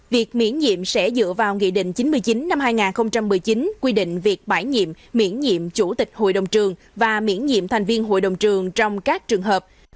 việc miễn nhiệm sẽ dựa vào nghị định chín mươi chín năm hai nghìn một mươi chín quy định việc bãi nhiệm miễn nhiệm chủ tịch hội đồng trường và miễn nhiệm thành viên hội đồng trường trong các trường hợp